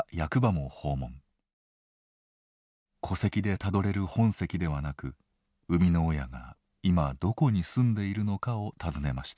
戸籍でたどれる本籍ではなく生みの親が今どこに住んでいるのかを尋ねました。